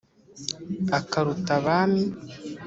akaruta abami,